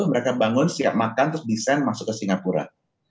mereka bangun siap makan terus desain masuk ke singapura